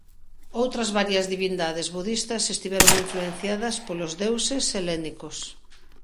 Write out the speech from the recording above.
Outras varias divindades budistas estiveron influenciadas polos deuses helénicos.